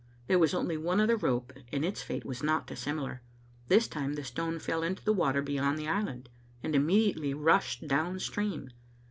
There was only one other rope, and its fate was not dissimilar. This time the stone fell into the water beyond the island, and immediately rushed down stream.